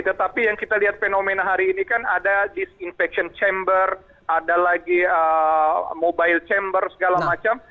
tetapi yang kita lihat fenomena hari ini kan ada disinfection chamber ada lagi mobile chamber segala macam